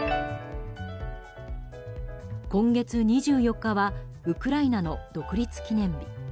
今月２４日はウクライナの独立記念日。